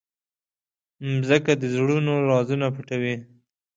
مځکه د زړونو رازونه پټوي.